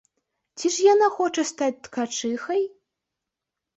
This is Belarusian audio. Ці ж яна хоча стаць ткачыхай?